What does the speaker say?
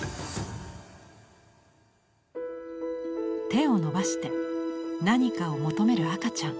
手を伸ばして何かを求める赤ちゃん。